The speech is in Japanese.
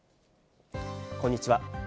こんにちは。